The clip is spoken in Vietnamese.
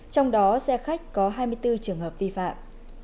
trong đó xe khách có hai mươi bốn trường hợp vi phạm